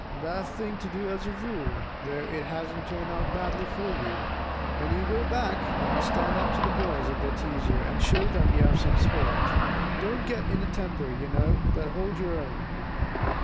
"Bad thing to do as a rule, though it hasn't turned out badly for you. When you go back, you must stand up to the boys if they tease you, and show them you have some spirit. Don't get in a temper, you know; but hold your own."